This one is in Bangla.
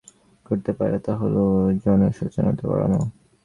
তবে সরকার শুরুতেই যে কাজটি করতে পারে তা হলো জনসচেতনতা বাড়ানো।